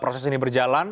proses ini berjalan